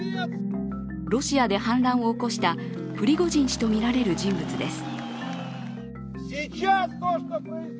ロシアで反乱を起こしたプリゴジン氏とみられる人物です。